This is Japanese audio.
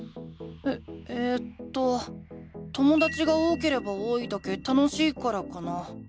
ええとともだちが多ければ多いだけ楽しいからかな。